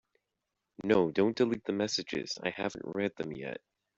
No, don’t delete the messages, I haven’t read them yet.